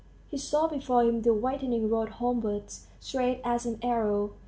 He saw before him the whitening road homewards, straight as an arrow.